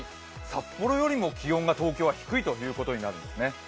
札幌よりも気温が東京は低いということになるんですね。